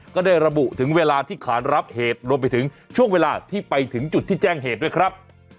ก็ได้ระบุถึงเวลาที่ขานรับเหตุรวมไปถึงช่วงเวลาที่ไปถึงจุดที่แจ้งเหตุด้วยครับ